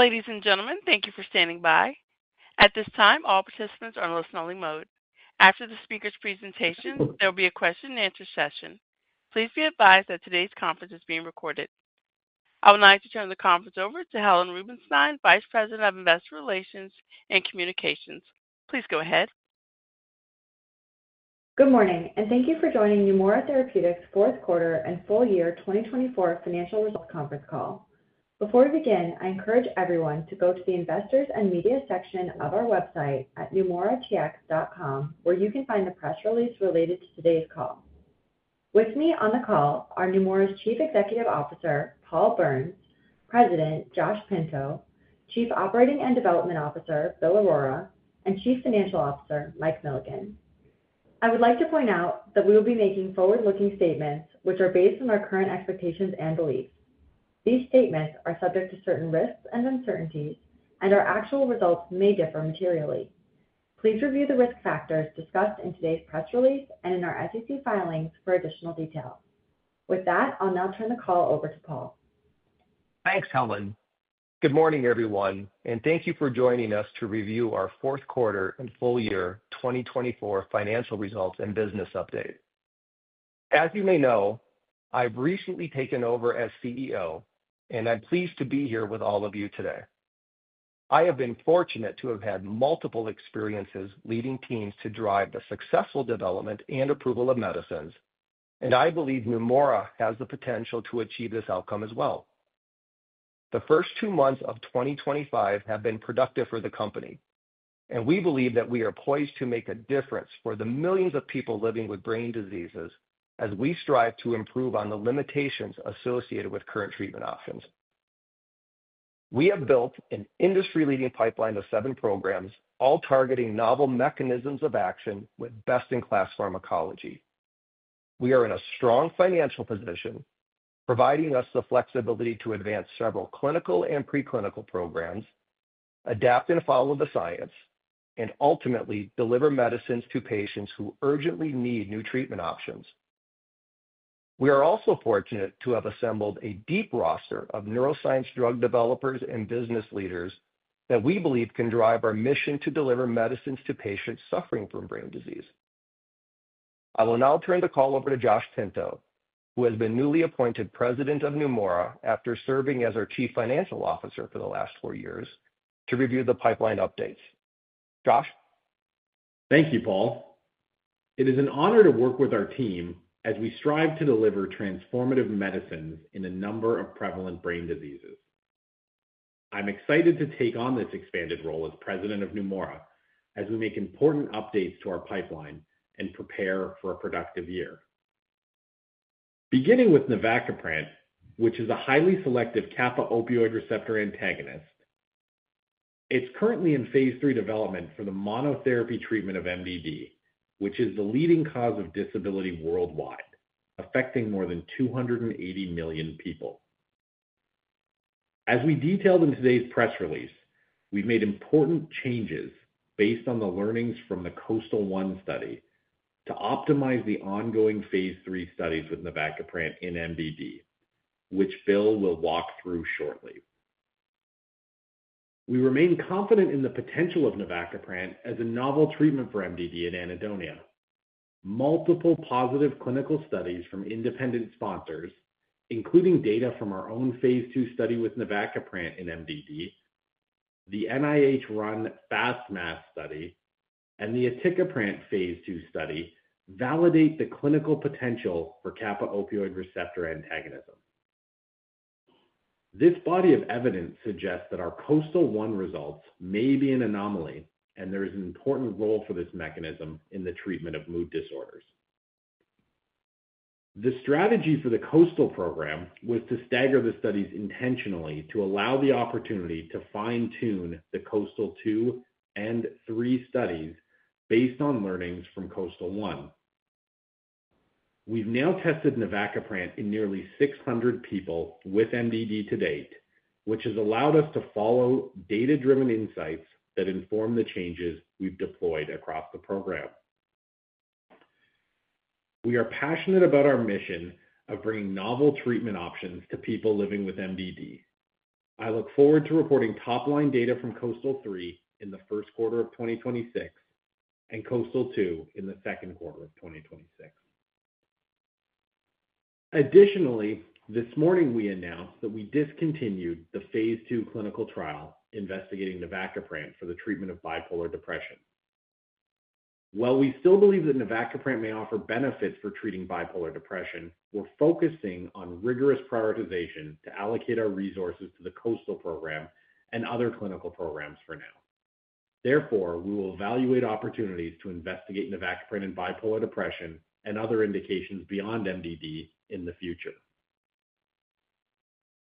Ladies and gentlemen, thank you for standing by. At this time, all participants are in listen-only mode. After the speaker's presentation, there will be a question-and-answer session. Please be advised that today's conference is being recorded. I would like to turn the conference over to Helen Rubinstein, Vice President of Investor Relations and Communications. Please go ahead. Good morning, and thank you for joining Neumora Therapeutics' fourth quarter and full year 2024 financial results conference call. Before we begin, I encourage everyone to go to the Investors and Media section of our website at neumoratx.com, where you can find the press release related to today's call. With me on the call are Neumora's Chief Executive Officer, Paul Berns; President, Josh Pinto; Chief Operating and Development Officer, Bill Aurora; and Chief Financial Officer, Mike Milligan. I would like to point out that we will be making forward-looking statements, which are based on our current expectations and beliefs. These statements are subject to certain risks and uncertainties, and our actual results may differ materially. Please review the risk factors discussed in today's press release and in our SEC filings for additional detail. With that, I'll now turn the call over to Paul. Thanks, Helen. Good morning, everyone, and thank you for joining us to review our fourth quarter and full year 2024 financial results and business update. As you may know, I've recently taken over as CEO, and I'm pleased to be here with all of you today. I have been fortunate to have had multiple experiences leading teams to drive the successful development and approval of medicines, and I believe Neumora has the potential to achieve this outcome as well. The first two months of 2025 have been productive for the company, and we believe that we are poised to make a difference for the millions of people living with brain diseases as we strive to improve on the limitations associated with current treatment options. We have built an industry-leading pipeline of seven programs, all targeting novel mechanisms of action with best-in-class pharmacology. We are in a strong financial position, providing us the flexibility to advance several clinical and preclinical programs, adapt and follow the science, and ultimately deliver medicines to patients who urgently need new treatment options. We are also fortunate to have assembled a deep roster of neuroscience drug developers and business leaders that we believe can drive our mission to deliver medicines to patients suffering from brain disease. I will now turn the call over to Josh Pinto, who has been newly appointed President of Neumora after serving as our Chief Financial Officer for the last four years, to review the pipeline updates. Josh? Thank you, Paul. It is an honor to work with our team as we strive to deliver transformative medicines in a number of prevalent brain diseases. I'm excited to take on this expanded role as President of Neumora as we make important updates to our pipeline and prepare for a productive year. Beginning with navacaprant, which is a highly selective kappa opioid receptor antagonist, it's currently in phase three development for the monotherapy treatment of MDD, which is the leading cause of disability worldwide, affecting more than 280 million people. As we detailed in today's press release, we've made important changes based on the learnings from the KOASTAL-1 study to optimize the ongoing phase three studies with navacaprant in MDD, which Bill will walk through shortly. We remain confident in the potential of navacaprant as a novel treatment for MDD in anhedonia. Multiple positive clinical studies from independent sponsors, including data from our own phase two study with navacaprant in MDD, the NIH-run FAST-MAS study, and the aticaprant phase two study, validate the clinical potential for kappa opioid receptor antagonism. This body of evidence suggests that our KOASTAL-1 results may be an anomaly, and there is an important role for this mechanism in the treatment of mood disorders. The strategy for the KOASTAL program was to stagger the studies intentionally to allow the opportunity to fine-tune the KOASTAL-2 and 3 studies based on learnings from KOASTAL-1. We've now tested navacaprant in nearly 600 people with MDD to date, which has allowed us to follow data-driven insights that inform the changes we've deployed across the program. We are passionate about our mission of bringing novel treatment options to people living with MDD. I look forward to reporting top-line data from KOASTAL-3 in the first quarter of 2026 and KOASTAL-2 in the second quarter of 2026. Additionally, this morning we announced that we discontinued the phase II clinical trial investigating navacaprant for the treatment of bipolar depression. While we still believe that navacaprant may offer benefits for treating bipolar depression, we're focusing on rigorous prioritization to allocate our resources to the KOASTAL program and other clinical programs for now. Therefore, we will evaluate opportunities to investigate navacaprant in bipolar depression and other indications beyond MDD in the future.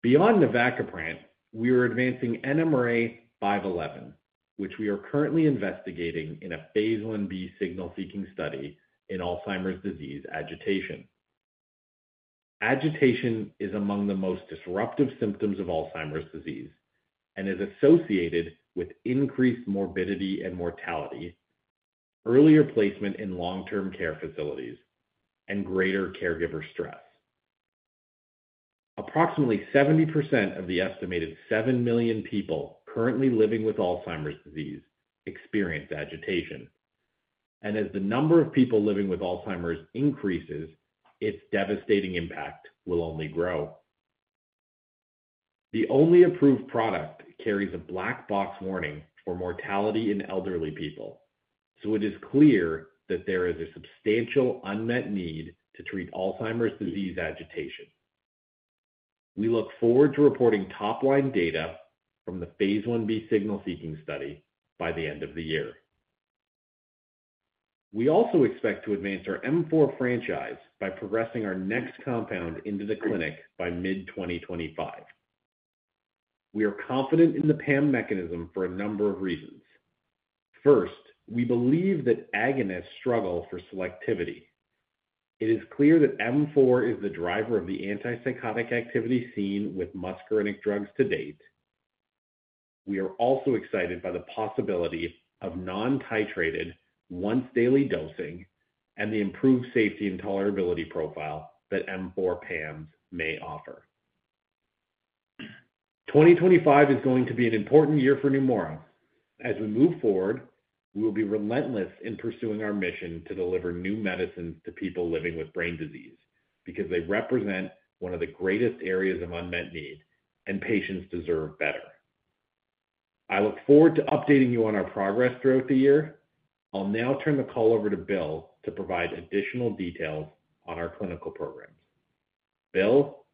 Beyond navacaprant, we are advancing NMRA-511, which we are currently investigating in a phase 1b signal-seeking study in Alzheimer's disease agitation. Agitation is among the most disruptive symptoms of Alzheimer's disease and is associated with increased morbidity and mortality, earlier placement in long-term care facilities, and greater caregiver stress. Approximately 70% of the estimated 7 million people currently living with Alzheimer's disease experience agitation, and as the number of people living with Alzheimer's increases, its devastating impact will only grow. The only approved product carries a black box warning for mortality in elderly people, so it is clear that there is a substantial unmet need to treat Alzheimer's disease agitation. We look forward to reporting top-line data from the phase 1b signal-seeking study by the end of the year. We also expect to advance our M4 franchise by progressing our next compound into the clinic by mid-2025. We are confident in the PAM mechanism for a number of reasons. First, we believe that agonists struggle for selectivity. It is clear that M4 is the driver of the antipsychotic activity seen with muscarinic drugs to date. We are also excited by the possibility of non-titrated, once-daily dosing and the improved safety and tolerability profile that M4 PAMs may offer. 2025 is going to be an important year for Neumora. As we move forward, we will be relentless in pursuing our mission to deliver new medicines to people living with brain disease because they represent one of the greatest areas of unmet need, and patients deserve better. I look forward to updating you on our progress throughout the year. I'll now turn the call over to Bill to provide additional details on our clinical programs. Bill?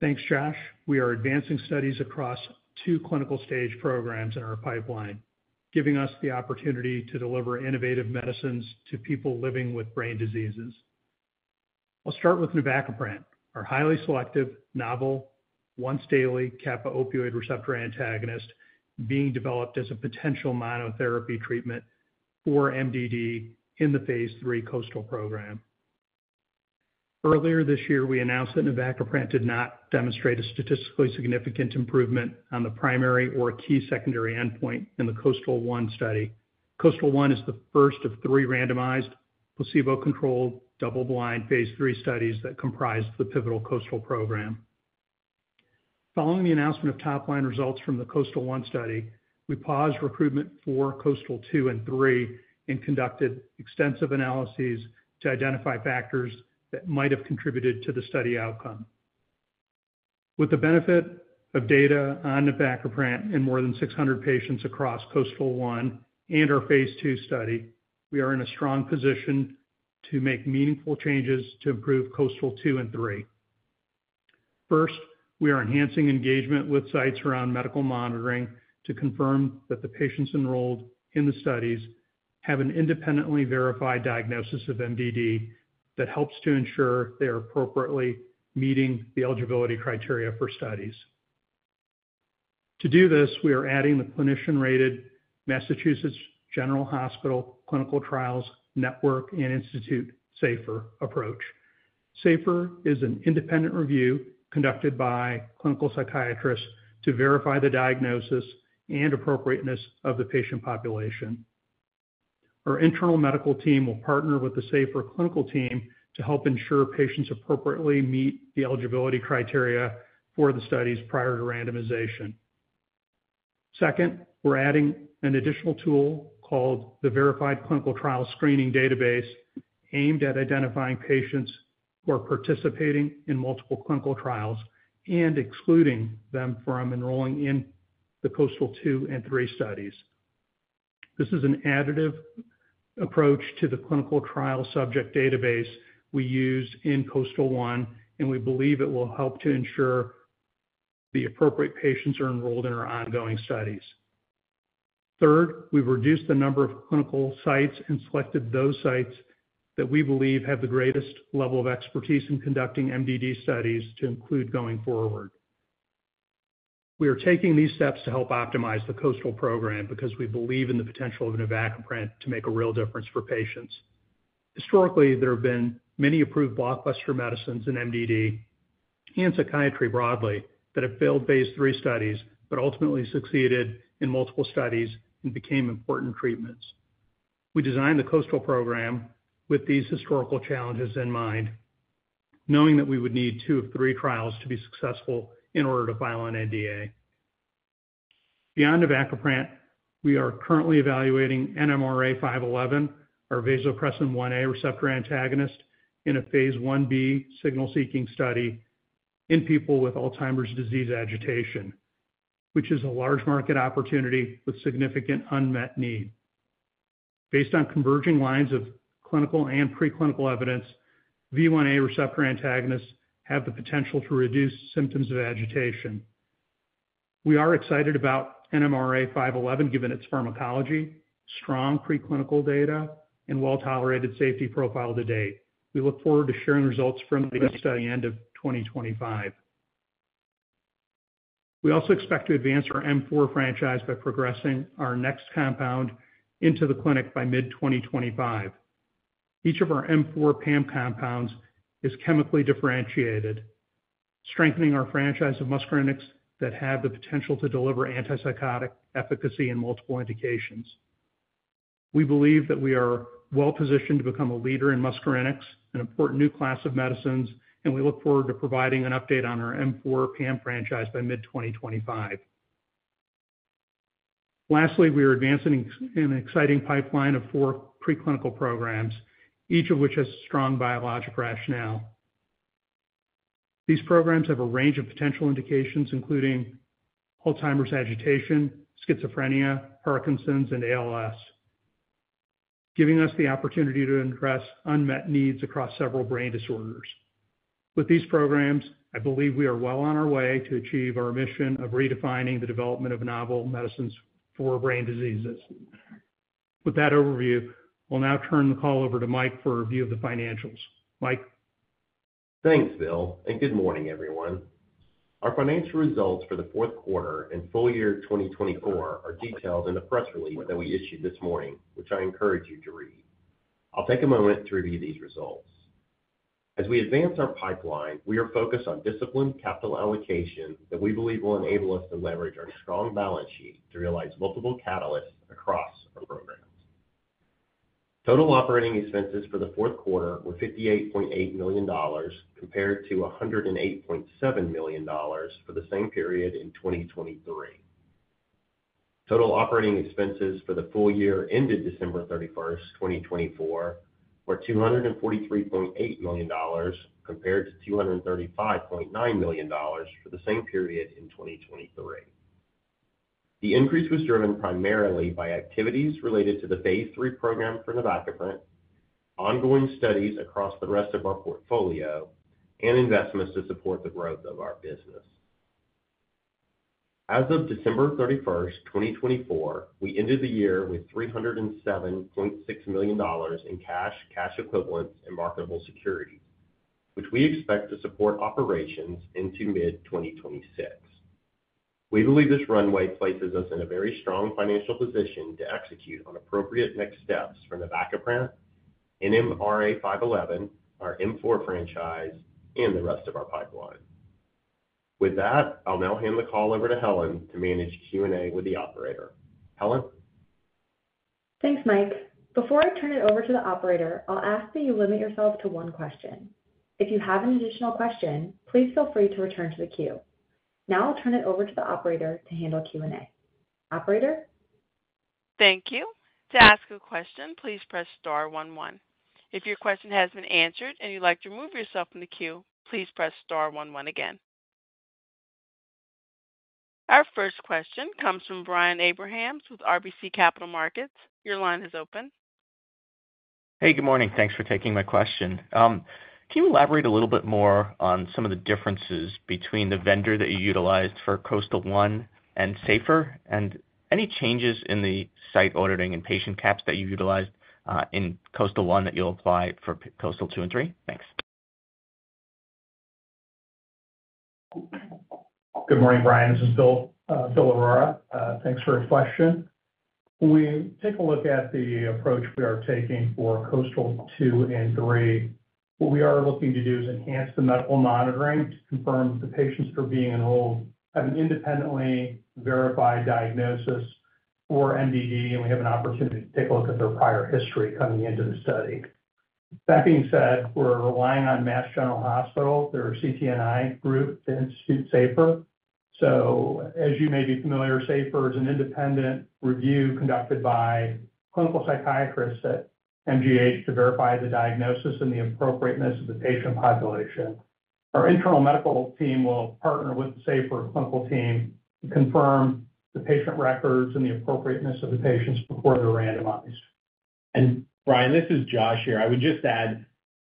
Thanks, Josh. We are advancing studies across two clinical stage programs in our pipeline, giving us the opportunity to deliver innovative medicines to people living with brain diseases. I'll start with navacaprant, our highly selective, novel, once-daily kappa opioid receptor antagonist being developed as a potential monotherapy treatment for MDD in the phase three KOASTAL program. Earlier this year, we announced that navacaprant did not demonstrate a statistically significant improvement on the primary or key secondary endpoint in the KOASTAL-1 study. KOASTAL-1 is the first of three randomized, placebo-controlled, double-blind phase three studies that comprised the pivotal KOASTAL program. Following the announcement of top-line results from the KOASTAL-1 study, we paused recruitment for KOASTAL-2 and 3 and conducted extensive analyses to identify factors that might have contributed to the study outcome. With the benefit of data on navacaprant in more than 600 patients across KOASTAL-1 and our phase two study, we are in a strong position to make meaningful changes to improve KOASTAL-2 and 3. First, we are enhancing engagement with sites around medical monitoring to confirm that the patients enrolled in the studies have an independently verified diagnosis of MDD that helps to ensure they are appropriately meeting the eligibility criteria for studies. To do this, we are adding the clinician-rated Massachusetts General Hospital Clinical Trials Network and Institute SAFER approach. SAFER is an independent review conducted by clinical psychiatrists to verify the diagnosis and appropriateness of the patient population. Our internal medical team will partner with the SAFER clinical team to help ensure patients appropriately meet the eligibility criteria for the studies prior to randomization. Second, we're adding an additional tool called the Verified Clinical Trials Screening Database aimed at identifying patients who are participating in multiple clinical trials and excluding them from enrolling in the KOASTAL-2 and 3 studies. This is an additive approach to the clinical trial subject database we use in KOASTAL-1, and we believe it will help to ensure the appropriate patients are enrolled in our ongoing studies. Third, we've reduced the number of clinical sites and selected those sites that we believe have the greatest level of expertise in conducting MDD studies to include going forward. We are taking these steps to help optimize the KOASTAL program because we believe in the potential of navacaprant to make a real difference for patients. Historically, there have been many approved blockbuster medicines in MDD and psychiatry broadly that have failed phase three studies, but ultimately succeeded in multiple studies and became important treatments. We designed the KOASTAL program with these historical challenges in mind, knowing that we would need two of three trials to be successful in order to file an NDA. Beyond navacaprant, we are currently evaluating NMRA-511, our vasopressin 1a receptor antagonist, in a phase 1b signal-seeking study in people with Alzheimer's disease agitation, which is a large market opportunity with significant unmet need. Based on converging lines of clinical and preclinical evidence, V1a receptor antagonists have the potential to reduce symptoms of agitation. We are excited about NMRA-511 given its pharmacology, strong preclinical data, and well-tolerated safety profile to date. We look forward to sharing results from the study end of 2025. We also expect to advance our M4 franchise by progressing our next compound into the clinic by mid-2025. Each of our M4 PAM compounds is chemically differentiated, strengthening our franchise of muscarinics that have the potential to deliver antipsychotic efficacy in multiple indications. We believe that we are well-positioned to become a leader in muscarinics, an important new class of medicines, and we look forward to providing an update on our M4 PAM franchise by mid-2025. Lastly, we are advancing an exciting pipeline of four preclinical programs, each of which has strong biologic rationale. These programs have a range of potential indications, including Alzheimer's agitation, schizophrenia, Parkinson's, and ALS, giving us the opportunity to address unmet needs across several brain disorders. With these programs, I believe we are well on our way to achieve our mission of redefining the development of novel medicines for brain diseases. With that overview, I'll now turn the call over to Mike for a review of the financials. Mike. Thanks, Bill, and good morning, everyone. Our financial results for the fourth quarter and full year 2024 are detailed in the press release that we issued this morning, which I encourage you to read. I'll take a moment to review these results. As we advance our pipeline, we are focused on disciplined capital allocation that we believe will enable us to leverage our strong balance sheet to realize multiple catalysts across our programs. Total operating expenses for the fourth quarter were $58.8 million compared to $108.7 million for the same period in 2023. Total operating expenses for the full year ended December 31, 2024, were $243.8 million compared to $235.9 million for the same period in 2023. The increase was driven primarily by activities related to the phase three program for navacaprant, ongoing studies across the rest of our portfolio, and investments to support the growth of our business. As of December 31, 2024, we ended the year with $307.6 million in cash, cash equivalents, and marketable securities, which we expect to support operations into mid-2026. We believe this runway places us in a very strong financial position to execute on appropriate next steps for navacaprant, NMRA-511, our M4 franchise, and the rest of our pipeline. With that, I'll now hand the call over to Helen to manage Q&A with the operator. Helen? Thanks, Mike. Before I turn it over to the operator, I'll ask that you limit yourself to one question. If you have an additional question, please feel free to return to the queue. Now I'll turn it over to the operator to handle Q&A. Operator? Thank you. To ask a question, please press star one one. If your question has been answered and you'd like to remove yourself from the queue, please press star one one again. Our first question comes from Brian Abrahams with RBC Capital Markets. Your line is open. Hey, good morning. Thanks for taking my question. Can you elaborate a little bit more on some of the differences between the vendor that you utilized for KOASTAL-1 and SAFER and any changes in the site auditing and patient caps that you utilized in KOASTAL-1 that you'll apply for KOASTAL-2 and 3? Thanks. Good morning, Brian. This is Bill Aurora. Thanks for your question. When we take a look at the approach we are taking for KOASTAL-2 and 3, what we are looking to do is enhance the medical monitoring to confirm that the patients that are being enrolled have an independently verified diagnosis for MDD, and we have an opportunity to take a look at their prior history coming into the study. That being said, we're relying on Massachusetts General Hospital, their CTNI group, to institute SAFER. As you may be familiar, SAFER is an independent review conducted by clinical psychiatrists at MGH to verify the diagnosis and the appropriateness of the patient population. Our internal medical team will partner with the SAFER clinical team to confirm the patient records and the appropriateness of the patients before they're randomized. Brian, this is Josh here. I would just add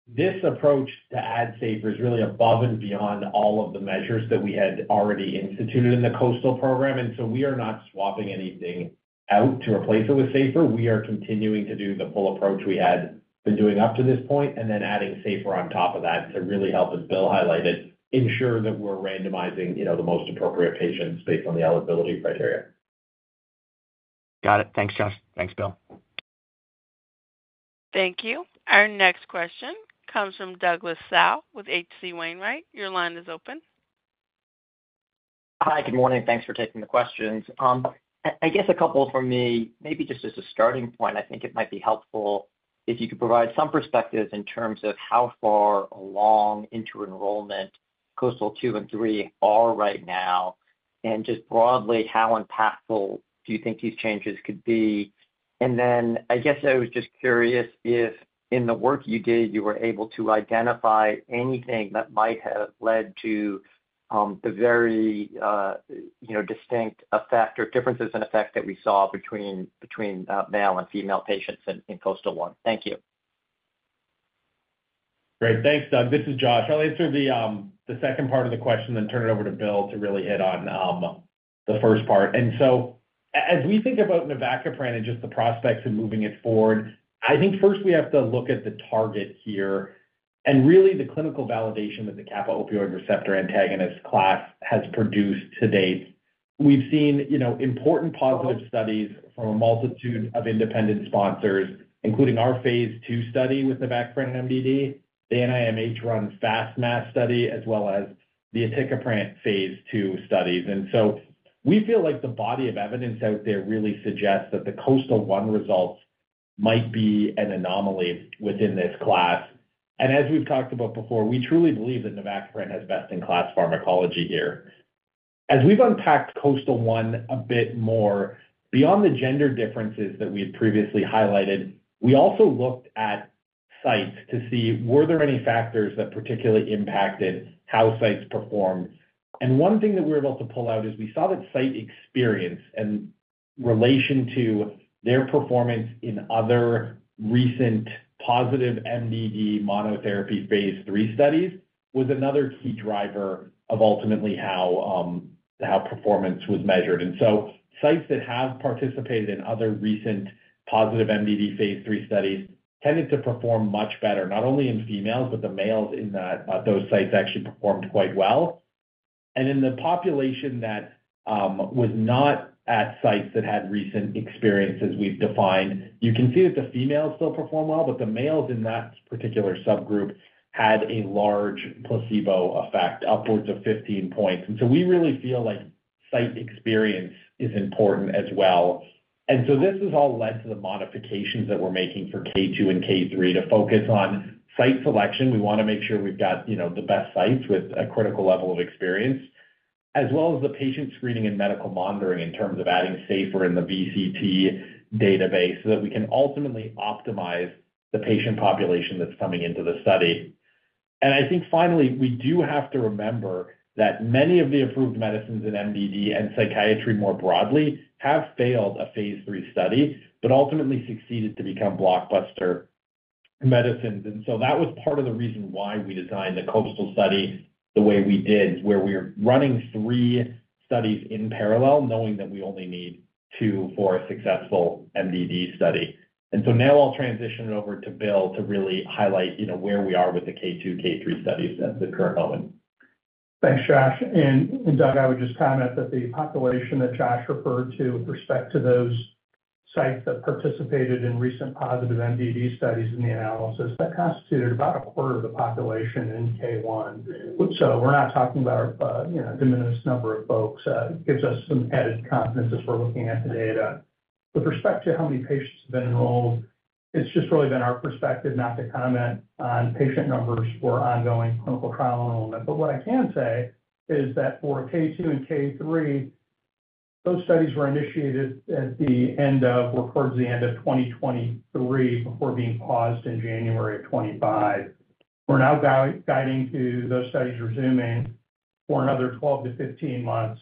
this approach to add SAFER is really above and beyond all of the measures that we had already instituted in the COASTAL program, and we are not swapping anything out to replace it with SAFER. We are continuing to do the full approach we had been doing up to this point and then adding SAFER on top of that to really help, as Bill highlighted, ensure that we're randomizing the most appropriate patients based on the eligibility criteria. Got it. Thanks, Josh. Thanks, Bill. Thank you. Our next question comes from Douglas Tsao with H.C. Wainwright. Your line is open. Hi, good morning. Thanks for taking the questions. I guess a couple for me, maybe just as a starting point, I think it might be helpful if you could provide some perspectives in terms of how far along into enrollment KOASTAL-2 and 3 are right now and just broadly, how impactful do you think these changes could be? I was just curious if in the work you did, you were able to identify anything that might have led to the very distinct effect or differences in effect that we saw between male and female patients in KOASTAL-1. Thank you. Great. Thanks, Doug. This is Josh. I'll answer the second part of the question and then turn it over to Bill to really hit on the first part. As we think about navacaprant and just the prospects of moving it forward, I think first we have to look at the target here and really the clinical validation that the kappa opioid receptor antagonist class has produced to date. We've seen important positive studies from a multitude of independent sponsors, including our phase two study with navacaprant MDD, the NIMH-run FAST-MAS study, as well as the atticaprant phase two studies. We feel like the body of evidence out there really suggests that the KOASTAL-1 results might be an anomaly within this class. As we've talked about before, we truly believe that navacaprant has best-in-class pharmacology here. As we've unpacked KOASTAL-1 a bit more, beyond the gender differences that we had previously highlighted, we also looked at sites to see were there any factors that particularly impacted how sites performed. One thing that we were able to pull out is we saw that site experience and relation to their performance in other recent positive MDD monotherapy phase three studies was another key driver of ultimately how performance was measured. Sites that have participated in other recent positive MDD phase three studies tended to perform much better, not only in females, but the males in those sites actually performed quite well. In the population that was not at sites that had recent experiences we've defined, you can see that the females still perform well, but the males in that particular subgroup had a large placebo effect, upwards of 15 points. We really feel like site experience is important as well. This has all led to the modifications that we're making for K2 and K3 to focus on site selection. We want to make sure we've got the best sites with a critical level of experience, as well as the patient screening and medical monitoring in terms of adding SAFER and the VCT database so that we can ultimately optimize the patient population that's coming into the study. I think finally, we do have to remember that many of the approved medicines in MDD and psychiatry more broadly have failed a phase three study, but ultimately succeeded to become blockbuster medicines. That was part of the reason why we designed the KOASTAL study the way we did, where we are running three studies in parallel, knowing that we only need two for a successful MDD study. Now I'll transition it over to Bill to really highlight where we are with the KOASTAL-2, KOASTAL-3 studies at the current moment. Thanks, Josh. Doug, I would just comment that the population that Josh referred to with respect to those sites that participated in recent positive MDD studies in the analysis, that constituted about a quarter of the population in K1. We're not talking about a diminished number of folks. It gives us some added confidence as we're looking at the data. With respect to how many patients have been enrolled, it's just really been our perspective not to comment on patient numbers for ongoing clinical trial enrollment. What I can say is that for K2 and K3, those studies were initiated at the end of or towards the end of 2023 before being paused in January of 2025. We're now guiding to those studies resuming for another 12-15 months.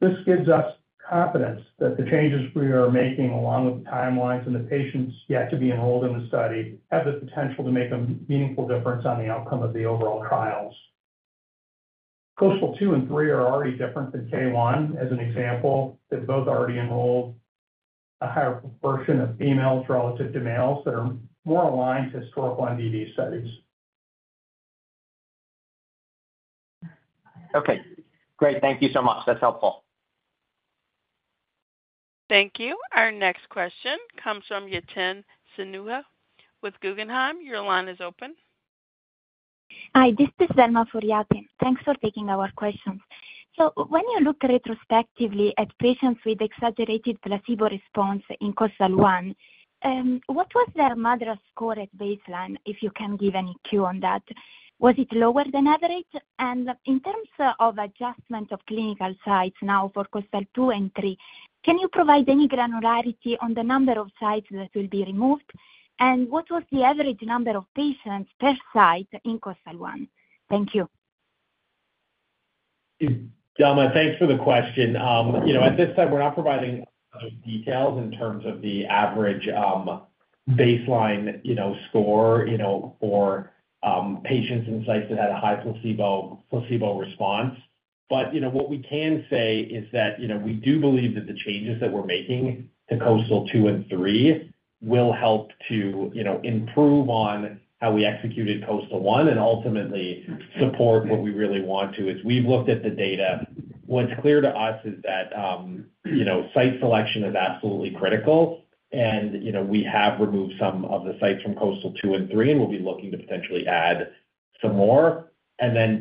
This gives us confidence that the changes we are making along with the timelines and the patients yet to be enrolled in the study have the potential to make a meaningful difference on the outcome of the overall trials. KOASTAL-2 and 3 are already different than K1, as an example. They're both already enrolled. A higher proportion of females relative to males that are more aligned to historical MDD studies. Okay. Great. Thank you so much. That's helpful. Thank you. Our next question comes from Yatin Suneja with Guggenheim. Your line is open. Hi, this is Velma Furiate. Thanks for taking our questions. When you look retrospectively at patients with exaggerated placebo response in KOASTAL-1, what was their MADRS score at baseline, if you can give any cue on that? Was it lower than average? In terms of adjustment of clinical sites now for KOASTAL-2 and 3, can you provide any granularity on the number of sites that will be removed? What was the average number of patients per site in KOASTAL-1? Thank you. Thank you, Velma. Thanks for the question. At this time, we're not providing details in terms of the average baseline score for patients in sites that had a high placebo response. What we can say is that we do believe that the changes that we're making to KOASTAL-2 and 3 will help to improve on how we executed KOASTAL-1 and ultimately support what we really want to. We've looked at the data. What's clear to us is that site selection is absolutely critical, and we have removed some of the sites from KOASTAL-2 and 3, and we'll be looking to potentially add some more.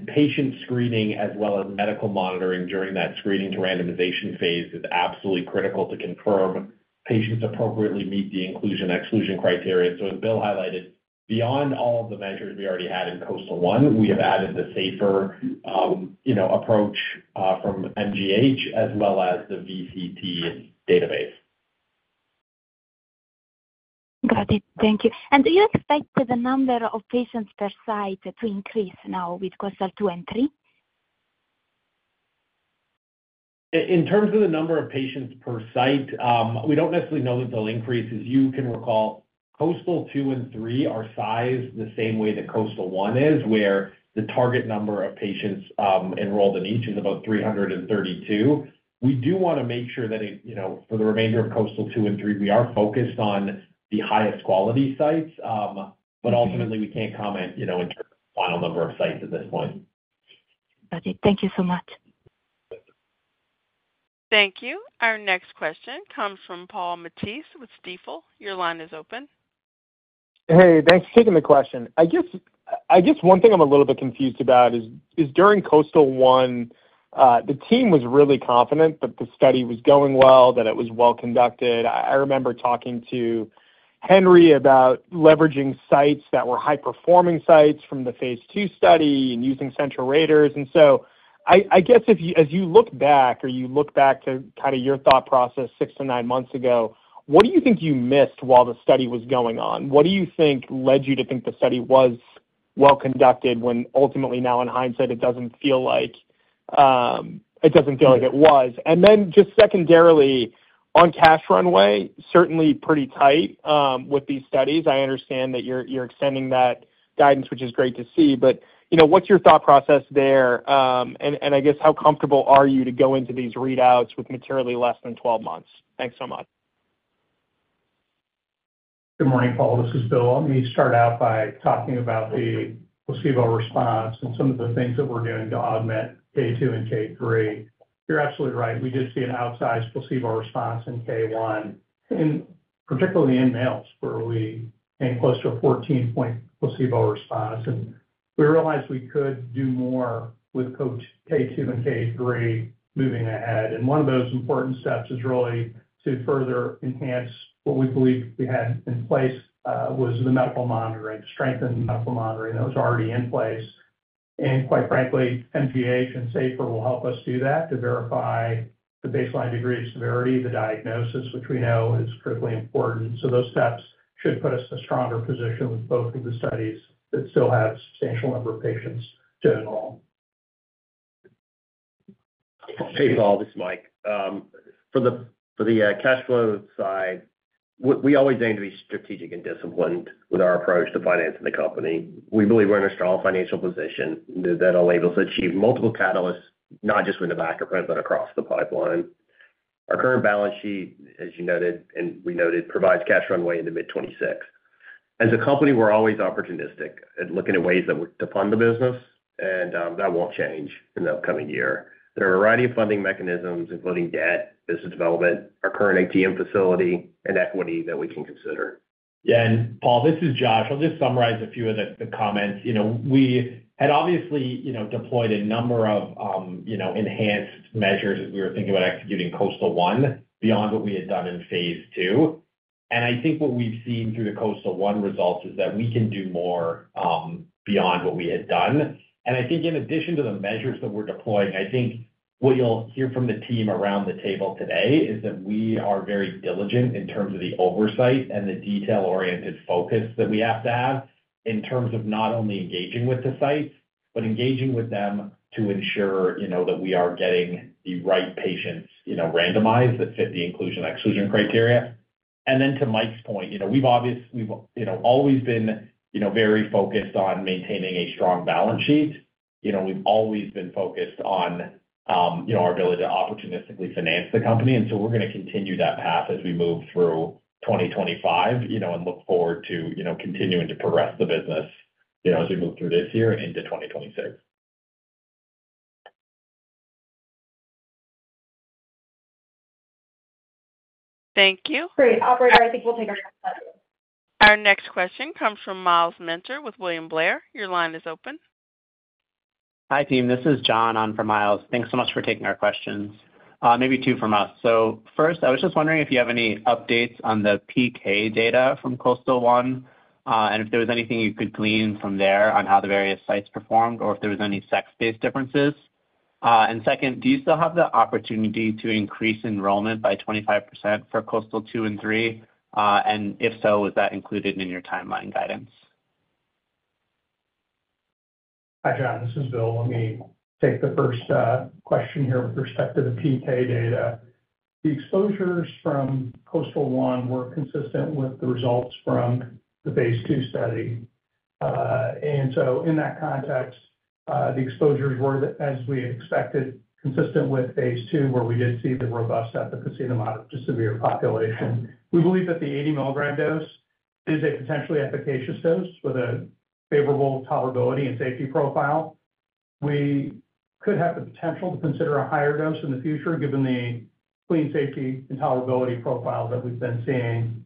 Patient screening, as well as medical monitoring during that screening to randomization phase, is absolutely critical to confirm patients appropriately meet the inclusion/exclusion criteria. As Bill highlighted, beyond all of the measures we already had in KOASTAL-1, we have added the SAFER approach from Massachusetts General Hospital, as well as the Verified Clinical Trials database. Got it. Thank you. Do you expect the number of patients per site to increase now with KOASTAL-2 and 3? In terms of the number of patients per site, we don't necessarily know that they'll increase. As you can recall, KOASTAL-2 and 3 are sized the same way that KOASTAL-1 is, where the target number of patients enrolled in each is about 332. We do want to make sure that for the remainder of KOASTAL-2 and 3, we are focused on the highest quality sites, but ultimately, we can't comment in terms of the final number of sites at this point. Got it. Thank you so much. Thank you. Our next question comes from Paul Matteis with Stifel. Your line is open. Hey, thanks for taking the question. I guess one thing I'm a little bit confused about is during KOASTAL-1, the team was really confident that the study was going well, that it was well conducted. I remember talking to Henry about leveraging sites that were high-performing sites from the phase two study and using central raters. I guess as you look back or you look back to kind of your thought process six to nine months ago, what do you think you missed while the study was going on? What do you think led you to think the study was well conducted when ultimately, now in hindsight, it doesn't feel like it was? Just secondarily, on cash runway, certainly pretty tight with these studies. I understand that you're extending that guidance, which is great to see. What's your thought process there? I guess how comfortable are you to go into these readouts with materially less than 12 months? Thanks so much. Good morning, Paul. This is Bill. Let me start out by talking about the placebo response and some of the things that we're doing to augment K2 and K3. You're absolutely right. We did see an outsized placebo response in K1, particularly in males, where we came close to a 14-point placebo response. We realized we could do more with K2 and K3 moving ahead. One of those important steps is really to further enhance what we believe we had in place was the medical monitoring, to strengthen the medical monitoring that was already in place. Quite frankly, Massachusetts General Hospital and SAFER will help us do that to verify the baseline degree of severity, the diagnosis, which we know is critically important. Those steps should put us in a stronger position with both of the studies that still have a substantial number of patients to enroll. Hey, Paul. This is Mike. For the cash flow side, we always aim to be strategic and disciplined with our approach to financing the company. We believe we're in a strong financial position that enables us to achieve multiple catalysts, not just with navacaprant, but across the pipeline. Our current balance sheet, as you noted and we noted, provides cash runway into mid-2026. As a company, we're always opportunistic at looking at ways to fund the business, and that won't change in the upcoming year. There are a variety of funding mechanisms, including debt, business development, our current ATM facility, and equity that we can consider. Yeah. Paul, this is Josh. I'll just summarize a few of the comments. We had obviously deployed a number of enhanced measures as we were thinking about executing KOASTAL-1 beyond what we had done in phase two. I think what we've seen through the KOASTAL-1 results is that we can do more beyond what we had done. I think in addition to the measures that we're deploying, I think what you'll hear from the team around the table today is that we are very diligent in terms of the oversight and the detail-oriented focus that we have to have in terms of not only engaging with the sites, but engaging with them to ensure that we are getting the right patients randomized that fit the inclusion/exclusion criteria. Then to Mike's point, we've always been very focused on maintaining a strong balance sheet. We've always been focused on our ability to opportunistically finance the company. We're going to continue that path as we move through 2025 and look forward to continuing to progress the business as we move through this year and into 2026. Thank you. Great. I'll break it. I think we'll take our next question. Our next question comes from Myles Minter with William Blair. Your line is open. Hi, team. This is John on for Myles. Thanks so much for taking our questions. Maybe two from us. First, I was just wondering if you have any updates on the PK data from KOASTAL-1 and if there was anything you could glean from there on how the various sites performed or if there were any sex-based differences. Second, do you still have the opportunity to increase enrollment by 25% for KOASTAL-2 and 3? If so, was that included in your timeline guidance? Hi, John. This is Bill. Let me take the first question here with respect to the PK data. The exposures from KOASTAL-1 were consistent with the results from the phase two study. In that context, the exposures were, as we expected, consistent with phase two, where we did see the robust efficacy in the moderate to severe population. We believe that the 80 mg dose is a potentially efficacious dose with a favorable tolerability and safety profile. We could have the potential to consider a higher dose in the future given the clean safety and tolerability profile that we've been seeing.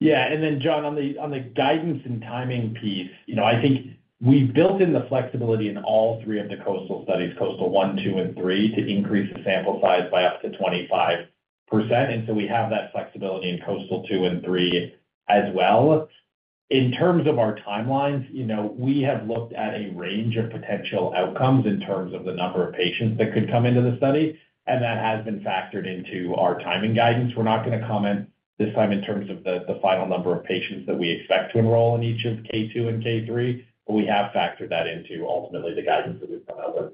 Yeah. Then, John, on the guidance and timing piece, I think we built in the flexibility in all three of the KOASTAL studies, KOASTAL-1, 2, and 3, to increase the sample size by up to 25%. We have that flexibility in KOASTAL-2 and 3 as well. In terms of our timelines, we have looked at a range of potential outcomes in terms of the number of patients that could come into the study, and that has been factored into our timing guidance. We're not going to comment this time in terms of the final number of patients that we expect to enroll in each of K2 and K3, but we have factored that into ultimately the guidance that we've come out with.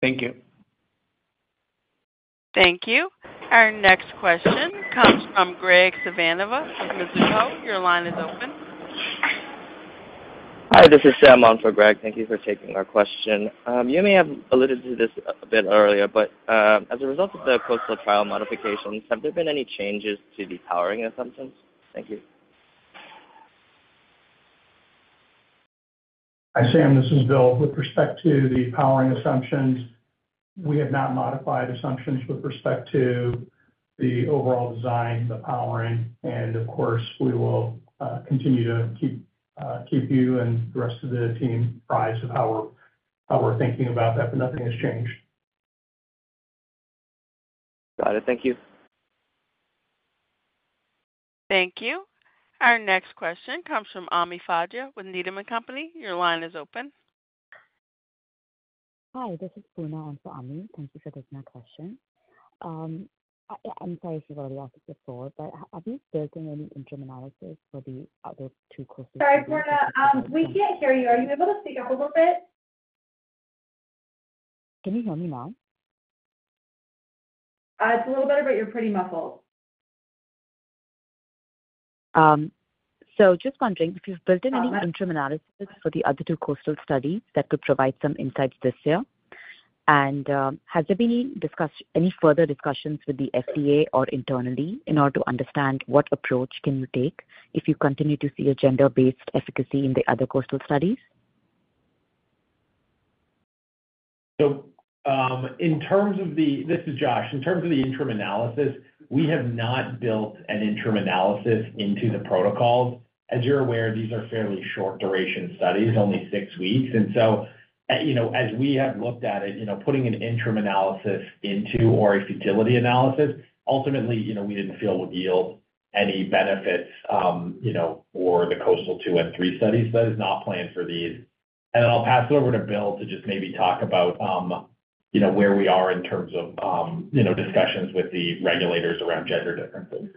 Thank you. Thank you. Our next question comes from Graig Suvannavejh with Mizuho Securities. Your line is open. Hi. This is Salman for Greg. Thank you for taking our question. You may have alluded to this a bit earlier, but as a result of the KOASTAL trial modifications, have there been any changes to the powering assumptions? Thank you. Hi, Sam. This is Bill. With respect to the powering assumptions, we have not modified assumptions with respect to the overall design, the powering. Of course, we will continue to keep you and the rest of the team apprised of how we're thinking about that, but nothing has changed. Got it. Thank you. Thank you. Our next question comes from Ami Fadia with Needham & Company. Your line is open. Hi. This is Purna. I'm for Ami. Thank you for taking our question. I'm sorry if you've already asked this before, but have you built in any interim analysis for the other two KOASTAL? Sorry, Purna. We can't hear you. Are you able to speak up a little bit? Can you hear me now? It's a little better, but you're pretty muffled. Just wondering if you've built in any interim analysis for the other two KOASTAL studies that could provide some insights this year. Has there been any further discussions with the FDA or internally in order to understand what approach can you take if you continue to see a gender-based efficacy in the other KOASTAL studies? In terms of the—this is Josh. In terms of the interim analysis, we have not built an interim analysis into the protocols. As you're aware, these are fairly short-duration studies, only six weeks. As we have looked at it, putting an interim analysis into or a futility analysis, ultimately, we didn't feel would yield any benefits for the KOASTAL-2 and 3 studies. That is not planned for these. I'll pass it over to Bill to just maybe talk about where we are in terms of discussions with the regulators around gender differences.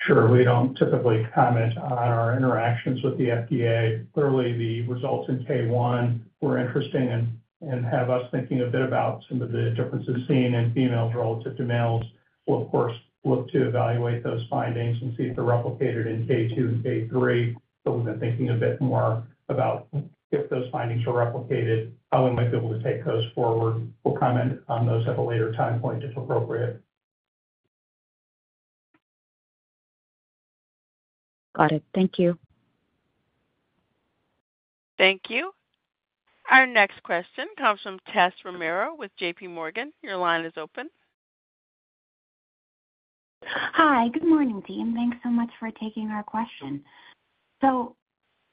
Sure. We do not typically comment on our interactions with the FDA. Clearly, the results in K1 were interesting and have us thinking a bit about some of the differences seen in females relative to males. We will, of course, look to evaluate those findings and see if they are replicated in K2 and K3. We have been thinking a bit more about if those findings are replicated, how we might be able to take those forward. We will comment on those at a later time point if appropriate. Got it. Thank you. Thank you. Our next question comes from Tessa Romero with JPMorgan. Your line is open. Hi. Good morning, team. Thanks so much for taking our question.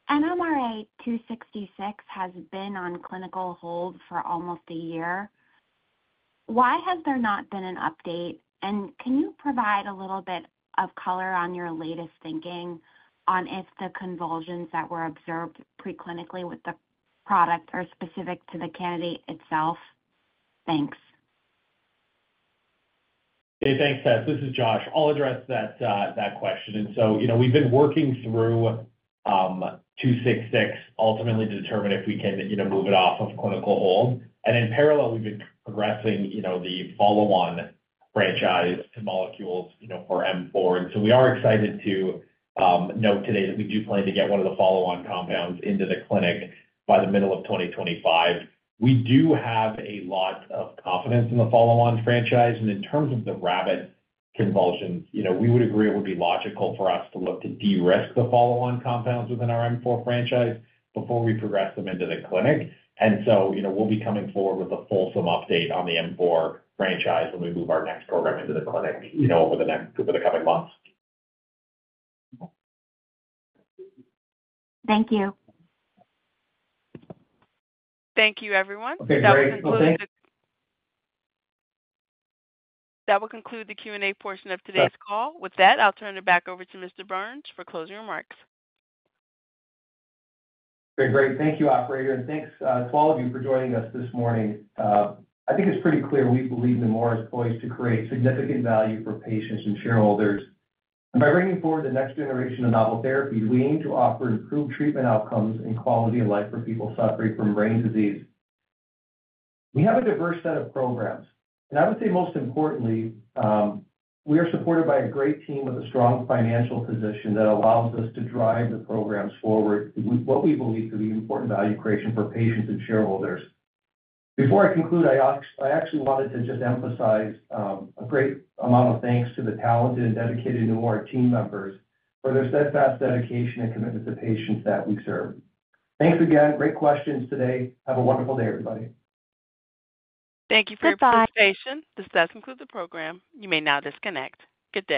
NMRA-266 has been on clinical hold for almost a year. Why has there not been an update? Can you provide a little bit of color on your latest thinking on if the convulsions that were observed preclinically with the product are specific to the candidate itself? Thanks. Hey, thanks, Tess. This is Josh. I'll address that question. We've been working through 266 ultimately to determine if we can move it off of clinical hold. In parallel, we've been progressing the follow-on franchise to molecules for M4. We are excited to note today that we do plan to get one of the follow-on compounds into the clinic by the middle of 2025. We do have a lot of confidence in the follow-on franchise. In terms of the rabbit convulsions, we would agree it would be logical for us to look to de-risk the follow-on compounds within our M4 franchise before we progress them into the clinic. We'll be coming forward with a fulsome update on the M4 franchise when we move our next program into the clinic over the coming months. Thank you. Thank you, everyone. Okay. Great. Thanks. That will conclude the Q&A portion of today's call. With that, I'll turn it back over to Mr. Berns for closing remarks. Great. Great. Thank you, operator. Thank you to all of you for joining us this morning. I think it's pretty clear we believe Neumora is poised to create significant value for patients and shareholders. By bringing forward the next generation of novel therapies, we aim to offer improved treatment outcomes and quality of life for people suffering from brain disease. We have a diverse set of programs. I would say most importantly, we are supported by a great team with a strong financial position that allows us to drive the programs forward with what we believe to be important value creation for patients and shareholders. Before I conclude, I actually wanted to just emphasize a great amount of thanks to the talented and dedicated Neumora team members for their steadfast dedication and commitment to patients that we serve. Thanks again. Great questions today. Have a wonderful day, everybody. Thank you for your participation. This does conclude the program. You may now disconnect. Good day.